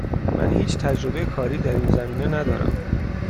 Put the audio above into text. من هیچ تجربه کاری در این زمینه ندارم.